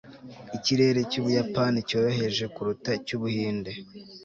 ikirere cy'ubuyapani cyoroheje kuruta icy'ubuhinde